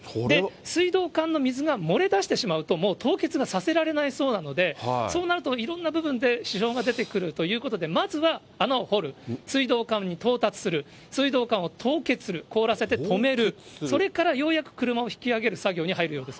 水道管の水が漏れ出してしまうと、もう凍結がさせられないそうなんで、そうなるといろんな部分で支障が出てくるということで、まずは穴を掘る、水道管に到達する、水道管を凍結する、凍らせて止める、それからようやく車を引き上げる作業に入るようです。